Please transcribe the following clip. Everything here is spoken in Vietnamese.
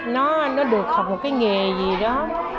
nó được học một nghề gì đó